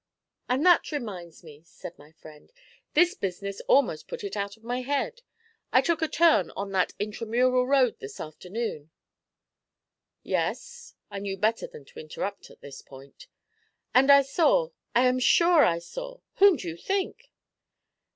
'And that reminds me,' said my friend. 'This business almost put it out of my head. I took a turn on that Intramural road this afternoon.' 'Yes?' I knew better than to interrupt at this point. 'And I saw, I am sure I saw whom do you think?'